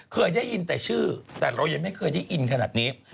เคยได้ยินแต่ชื่อแต่เรายังไม่เคยได้อินขนาดนี้